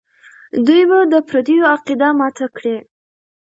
دوی به د پردیو عقیده ماته کړي.